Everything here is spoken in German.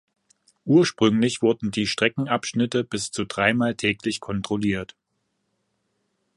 Ursprünglich wurden die Streckenabschnitte bis zu dreimal täglich kontrolliert.